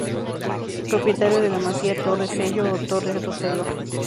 Propietario de la masía Torre Selló o Torre Roselló.